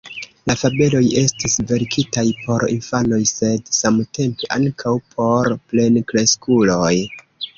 La fabeloj estis verkitaj por infanoj, sed samtempe ankaŭ por plenkreskuloj.